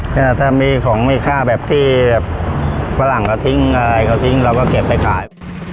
ถ้ามีของมีค่าแบบที่แบบฝรั่งเขาทิ้งอะไรเขาทิ้งเราก็เก็บไปขาย